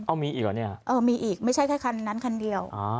เอามีอีกเหรอเนี่ยเออมีอีกไม่ใช่แค่คันนั้นคันเดียวอ๋อ